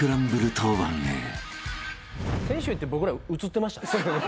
先週って僕ら映ってました？